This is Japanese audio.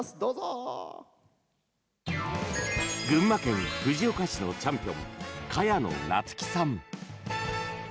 群馬県藤岡市のチャンピオン萱野夏紀さん。